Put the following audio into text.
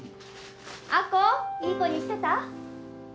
亜子いい子にしてた？